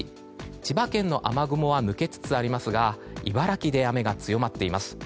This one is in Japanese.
千葉県の雨雲は抜けつつありますが茨城で雨が強まっています。